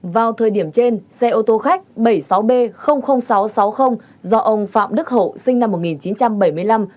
vào thời điểm trên xe ô tô khách bảy mươi sáu b sáu trăm sáu mươi do ông phạm đức hậu sinh năm một nghìn chín trăm bảy mươi năm